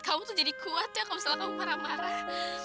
kamu tuh jadi kuat ya kalau misalnya kamu marah marah